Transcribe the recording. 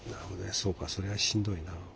そうかそれはしんどいな。